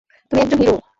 তুমি একজন হিরো।